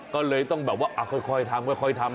ก็เลยต้องแบบว่าค่อยทำค่อยทำ